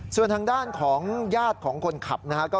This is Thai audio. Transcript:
ส่วนทางด้านของญาติของคนขับนะครับ